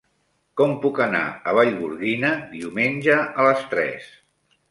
Com puc anar a Vallgorguina diumenge a les tres?